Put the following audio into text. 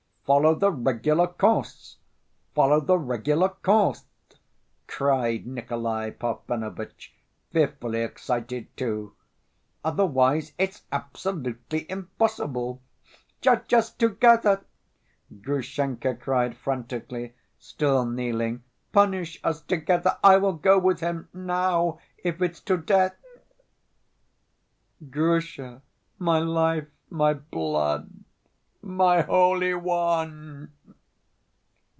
"Follow the regular course! Follow the regular course!" cried Nikolay Parfenovitch, fearfully excited too, "otherwise it's absolutely impossible!..." "Judge us together!" Grushenka cried frantically, still kneeling. "Punish us together. I will go with him now, if it's to death!" "Grusha, my life, my blood, my holy one!"